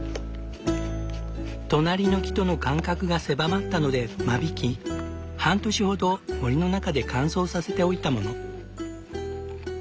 隣の木との間隔が狭まったので間引き半年ほど森の中で乾燥させておいたもの。